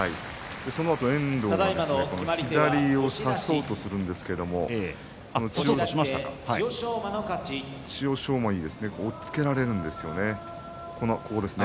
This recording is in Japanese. そのあと遠藤が左を差そうとするんですけれど千代翔馬に押っつけられるんですよね。